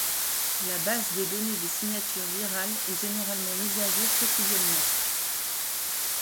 La base de donnée des signatures virales est généralement mise à jour quotidiennement.